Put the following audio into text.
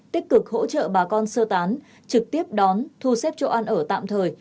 tích cực hỗ trợ bà con sơ tán trực tiếp đón thu xếp chỗ ăn ở tạm thời